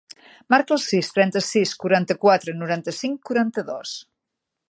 Marca el sis, trenta-sis, quaranta-quatre, noranta-cinc, quaranta-dos.